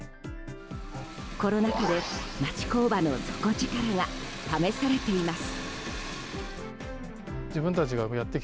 コロナ禍で町工場の底力が試されています。